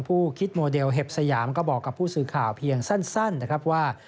คิดโมเดลเห็บสยามก็บอกกับผู้สื่อข่าวเพียงสั้นนะครับว่า